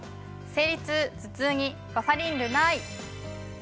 生理痛・頭痛にバファリンルナｉ。